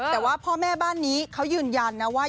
แต่ว่าพ่อแม่บ้านนี้เขายืนยันนะว่า